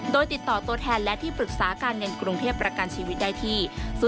โดยติดต่อตัวแทนและที่ปรึกษาการเงินกรุงเทพประกันชีวิตได้ที่